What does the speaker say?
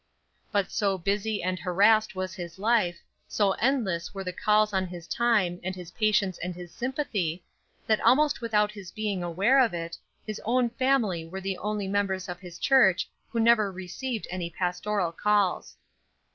But so busy and harassed was his life, so endless were the calls on his time and his patience and his sympathy, that almost without his being aware of it, his own family were the only members of his church who never received any pastoral calls.